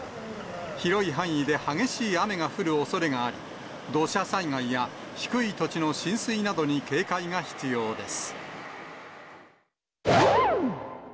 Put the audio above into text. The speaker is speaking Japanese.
広い範囲で激しい雨が降るおそれがあり、土砂災害や低い土地の浸水などに警戒が必要です。